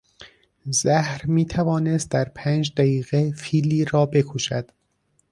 زهر میتوانست در پنج دقیقه فیلی را بکشد.